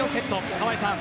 川合さん